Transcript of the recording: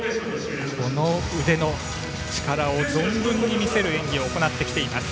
この腕の力を存分に見せる演技を行ってきています。